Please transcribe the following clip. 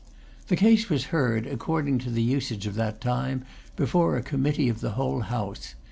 The case was heard, according to the usage of that time, before a committee of the whole House.